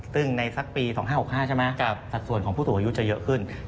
ซึ่งในสักปี๒๕๖๕ใช่ไหมสัดส่วนของผู้สูงอายุจะเยอะขึ้น